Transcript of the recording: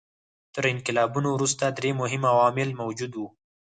تر انقلابونو وروسته درې مهم عوامل موجود وو.